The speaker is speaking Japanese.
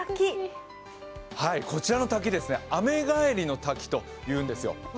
こちらの滝、アメガエリの滝というんですよ。